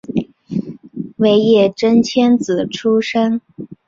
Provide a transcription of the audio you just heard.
尾野真千子出身。